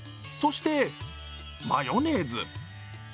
そしてマヨネーズ。